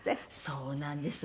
そうなんです。